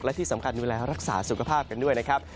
และที่สำคัญดูแลรักษาสุขภาพกันด้วยนะครับ